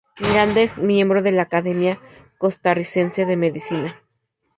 Miranda es miembro de la Academia Costarricense de Medicina.